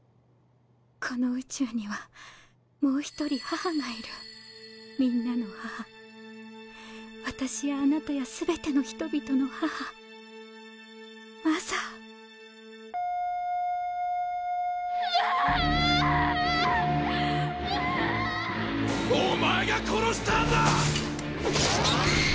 この宇宙にはもう１人「母」がいるみんなの母私やあなたや全ての人々の母マザー心電計の停止音うわぁ‼お前が殺したんだ‼